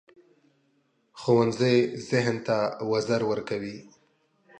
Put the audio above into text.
ښوونځی ذهن ته وزر ورکوي